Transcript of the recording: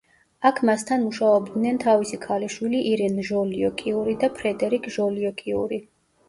აქ მასთან მუშაობდნენ თავისი ქალიშვილი ირენ ჟოლიო-კიური და ფრედერიკ ჟოლიო-კიური.